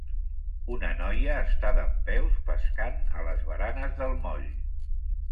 Una noia està dempeus pescant a les baranes del moll.